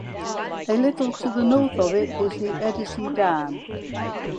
A little to the north of it is the Edersee dam.